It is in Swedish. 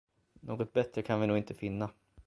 Något bättre kan vi nog inte finna.